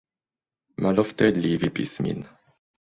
Malofte li vipis min.